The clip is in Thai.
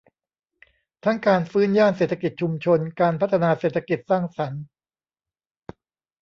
ทั้งการฟื้นย่านเศรษฐกิจชุมชน การพัฒนาเศรษฐกิจสร้างสรรค์